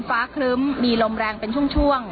ฟ้าคลึ้มมีลมแรงเป็นช่วงช่วง